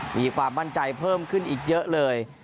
มีความมั่นใจเพิ่มขึ้นอีกเยอะเลย